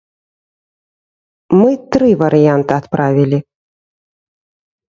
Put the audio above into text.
Мы тры варыянт адправілі.